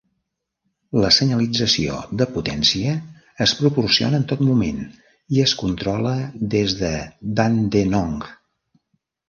La senyalització de potència es proporciona en tot moment i es controla des de Dandenong.